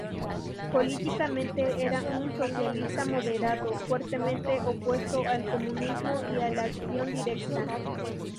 Políticamente, era un socialista moderado, fuertemente opuesto al comunismo y a la acción directa.